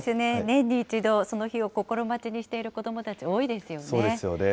年に１度、その日を心待ちにしている子どもたち、多いですよね。